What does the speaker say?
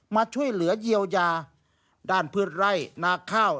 มาช่วยเหลือเยียวยาด้านพืชไร่นาข้าว